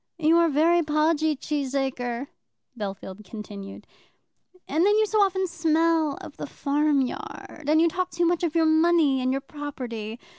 "You are very podgy, Cheesacre," Bellfield continued, "and then you so often smell of the farm yard; and you talk too much of your money and your property.